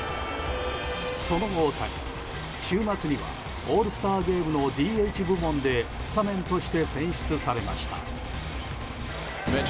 その大谷、週末にはオールスターゲームのＤＨ部門でスタメンとして選出されました。